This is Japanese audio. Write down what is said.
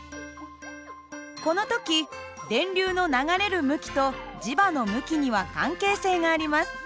この時電流の流れる向きと磁場の向きには関係性があります。